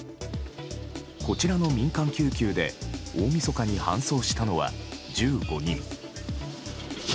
こちらの民間救急で大みそかに搬送したのは１５人。